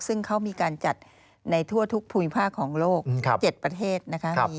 ซึ่งเขามีการจัดในทั่วทุกภูมิภาคของโลก๗ประเทศนะคะ